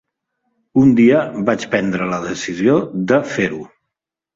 Un dia vaig prendre la decisió de fer-ho.